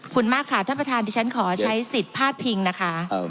คุณมากค่ะท่านประธานดิฉันขอใช้สิทธิภาพิงค่ะ